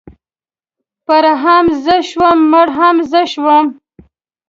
ـ پړ هم زه شوم مړ هم زه شوم.